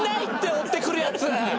追ってくるヤツ。